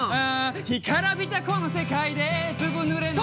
「干からびたこの世界でずぶぬれの」